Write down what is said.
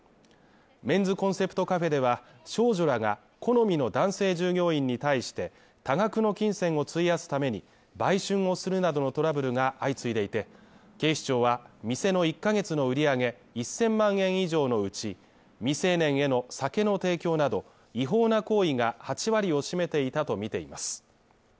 メンズコンセプトカフェでは、少女らが好みの男性従業員に対して多額の金銭を費やすために売春をするなどのトラブルが相次いでいて、警視庁は店の１ヶ月の売り上げ１０００万円以上のうち、未成年への酒の提供など、違法な行為が８割を占めていたとみています。